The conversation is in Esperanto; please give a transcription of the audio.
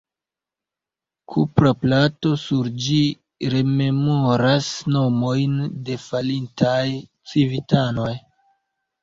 Kupra plato sur ĝi rememoras nomojn de falintaj civitanoj.